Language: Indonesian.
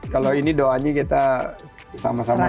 kalau ini doanya kita sama sama saling doa